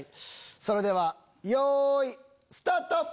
それではよいスタート！